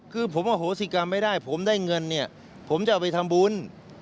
คือผมอโหสิกรรมไม่ได้ผมได้เงินเนี่ยผมจะเอาไปทำบุญ